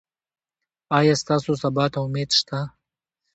ایا ستاسو سبا ته امید شته؟